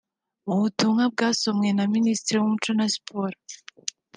Mu butumwa bwasomwe na Minisitiri w’Umuco na Siporo